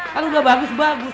kan udah bagus bagus